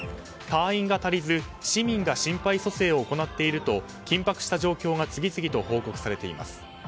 隊員が足りず市民が心肺蘇生を行っていると緊迫した状況が次々と報告されています。